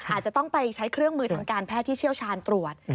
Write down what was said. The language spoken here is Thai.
อาจจะต้องไปใช้เครื่องมือทางการแพทย์ที่เชี่ยวชาญตรวจ